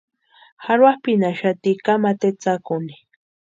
Jarhuapʼinhaxati kamata etsakuni.